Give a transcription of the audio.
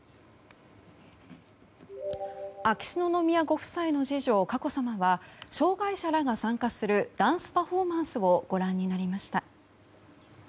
秋篠宮ご夫妻の次女・佳子さまが障害者らが参加するダンスパフォーマンスをご覧になりました。